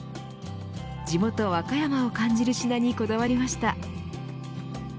地元、和歌山を感じる品にこだわりました。